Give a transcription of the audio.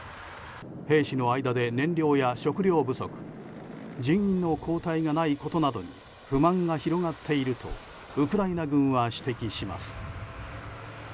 兵士の間で燃料や食料不足人員の交代がないことなどに不満が広がっているとウクライナ軍は指摘します。